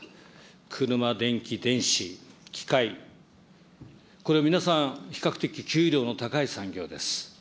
車、でんき、電子、機械、これ皆さん、比較的給料の高い産業です。